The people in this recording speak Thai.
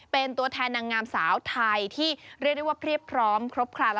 เป็นตัวแทนนางงามสาวไทยที่เรียกได้ว่าเพียบพร้อมครบครัน